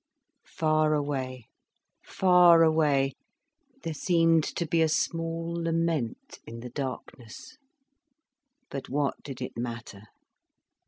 Far away, far away, there seemed to be a small lament in the darkness. But what did it matter?